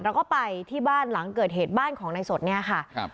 เราก็ไปที่บ้านหลังเกิดเหตุบ้านของในสดเนี่ยค่ะครับ